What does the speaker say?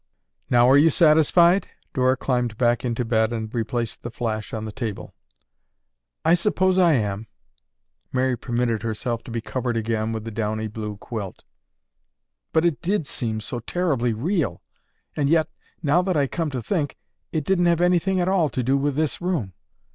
"Now, are you satisfied?" Dora climbed back into bed and replaced the flash on the table. "I suppose I am." Mary permitted herself to be covered again with the downy blue quilt. "But it did seem so terribly real, and yet, now that I come to think, it didn't have anything at all to do with this room.